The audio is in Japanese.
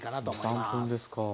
２３分ですか。